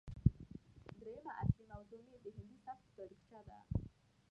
درييمه اصلي موضوع مې د هندي سبک تاريخچه ده